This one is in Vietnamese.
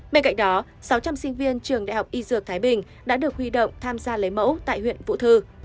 bên cạnh đó sáu trăm linh sinh viên trường đại học y dược thái bình đã được huy động tham gia lấy mẫu tại huyện vũ thư